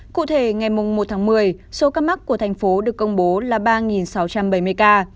cụ thể ngày một tháng một mươi số ca mắc của thành phố được công bố là ba sáu trăm bảy mươi ca